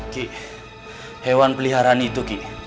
ki hewan peliharaan itu ki